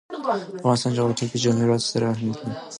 د افغانستان جغرافیه کې جواهرات ستر اهمیت لري.